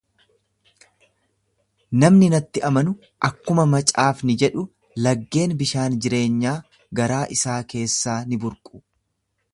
Namni natti amanu, akkuma macaafni jedhu, laggeen bishaan jireenyaa garaa isaa keessaa ni burqu.